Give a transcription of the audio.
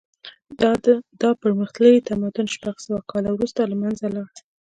دا پرمختللی تمدن شپږ سوه کاله وروسته له منځه لاړ.